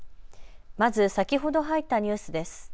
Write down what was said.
まず先ほど入ったニュースです。